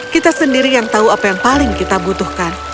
kita sendiri yang tahu apa yang paling kita butuhkan